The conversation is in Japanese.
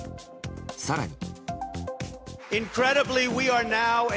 更に。